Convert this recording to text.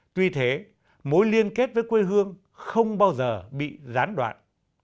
tuy thế mối liên kết với quê hương không bao giờ bị gián đoạn